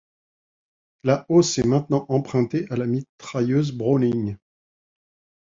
La hausse est maintenant empruntée à la mitrailleuse Browning.